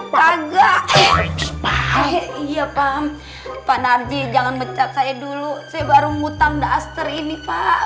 paham paham ya paham pak narji jangan becak saya dulu saya baru mutang daster ini pak